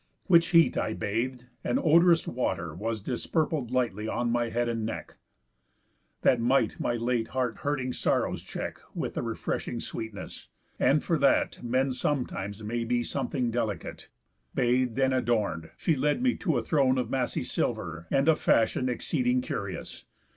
Which heat, I bath'd; and od'rous water was Disperpled lightly on my head and neck, That might my late heart hurting sorrows check With the refreshing sweetness; and, for that, Men sometimes may be something delicate. Bath'd, and adorn'd, she led me to a throne Of massy silver, and of fashión Exceeding curious.